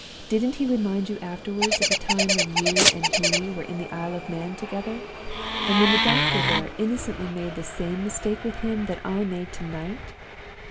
Didn't he remind you afterward of the time when you and he were in the Isle of Man together, and when the doctor there innocently made the same mistake with him that I made to night?